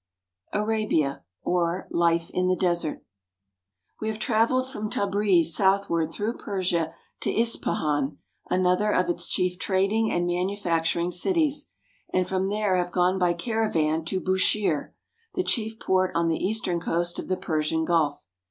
ARABIA, OR LIFE IN THE DESERT WE have traveled from Tabriz southward through Persia to Ispahan, another of its chief trading and manufacturing cities, and from there have gone by caravan to Bushire (boo sher'), the chief port on the eastern coast of the Persian Gulf.